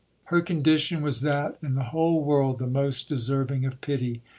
Her condition was that in the whole world the most de serving of pity.